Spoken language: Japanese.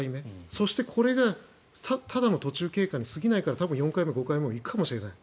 そしてこれがただの途中経過に過ぎないから４回目、５回目も行くかもしれない。